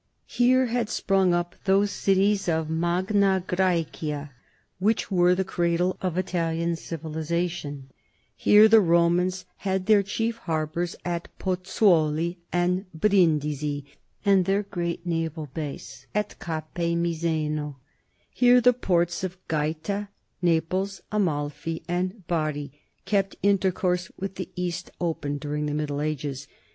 Here had sprung up those cities of Magna Graecia which were the cradle of Italian civilization; here the Romans had their chief harbors at Pozzuoli and Brindisi and their great naval base at Gape Miseno; here the ports of Gaeta, Naples, Amain, and Bari kept intercourse with the East open during the Middle Ages.